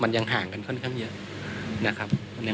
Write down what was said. มันยังห่างกันค่อนข้างเยอะนะครับ